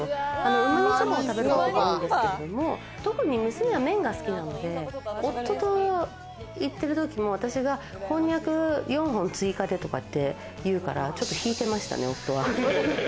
うまにそばを食べることが多いですけど、特に娘は麺が好きなので、夫と行ってる時も私がこんにゃく４本追加でとかって言うから、ちょっと引いてましたね、夫は。